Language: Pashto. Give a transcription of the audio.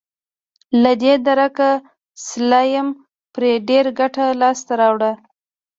له دې درکه سلایم پرې ډېره ګټه لاسته راوړه.